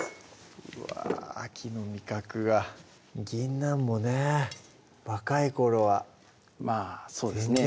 うわ秋の味覚がぎんなんもね若い頃はまぁそうですね